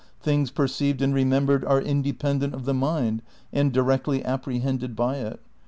"things perceived and remembered are independent of the mind and directly apprehended by it.